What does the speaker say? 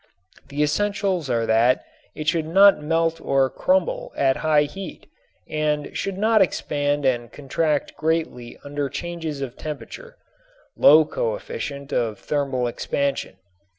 The essentials are that it should not melt or crumble at high heat and should not expand and contract greatly under changes of temperature (low coefficient of thermal expansion).